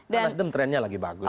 nasdem trennya lagi bagus